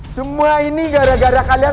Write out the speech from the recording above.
semua ini gara gara kalian